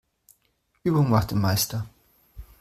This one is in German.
Übung macht den Meister.